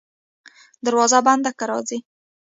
دروازه بنده که راځه.